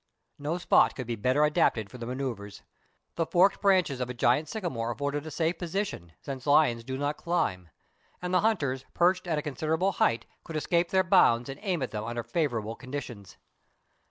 No spot could be better adapted for the manoeuvres. The forked branches of a gigantic sycamore afforded a safe position, since lions do not climb ; and the hunters, perched at a considerable height, could escape their bounds and aim at them under favourable conditions.